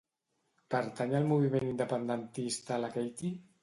Pertany al moviment independentista la Caty?